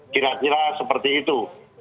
kira kira seperti itu